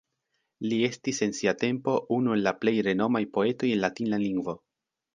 Li estis en sia tempo unu el la plej renomaj poetoj en latina lingvo.